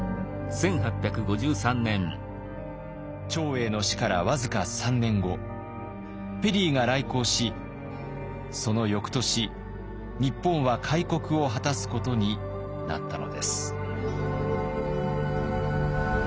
長英の死から僅か３年後ペリーが来航しその翌年日本は開国を果たすことになったのです。